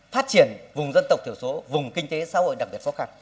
phát triển vùng dân tộc thiểu số vùng kinh tế xã hội đặc biệt khó khăn